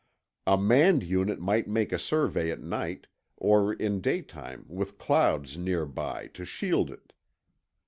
A manned unit might make a survey at night, or in daytime with clouds nearby to shield it.